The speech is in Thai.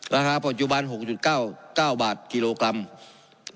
ราคาปัจจุบัน๖๙๙บาทกิโลกรัม